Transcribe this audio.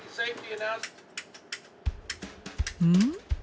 うん？